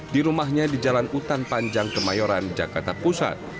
di rumahnya di jalan utan panjang kemayoran jakarta pusat